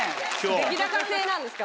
出来高制なんですか？